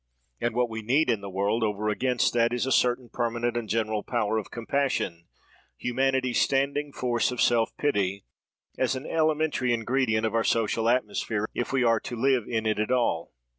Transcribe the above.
And what we need in the world, over against that, is a certain permanent and general power of compassion—humanity's standing force of self pity—as an elementary ingredient of our social atmosphere, if we are to live in it at all.